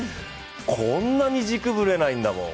こんなに軸ぶれないんだもん。